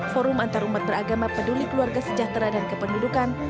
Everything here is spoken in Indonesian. forum antarumat beragama peduli keluarga sejahtera dan kependudukan